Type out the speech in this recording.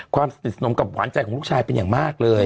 ความสนิทสนมกับหวานใจของลูกชายเป็นอย่างมากเลย